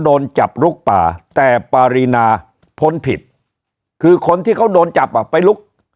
โดนจับลุกป่าแต่ปารีนาพ้นผิดคือคนที่เขาโดนจับอ่ะไปลุก